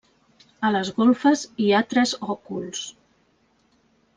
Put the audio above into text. A les golfes hi ha tres òculs.